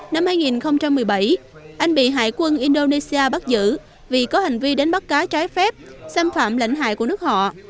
năm hai nghìn một mươi bảy anh bị hải quân indonesia bắt giữ vì có hành vi đánh bắt cá trái phép xâm phạm lãnh hải của nước họ